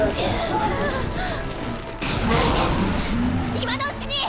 今のうちに！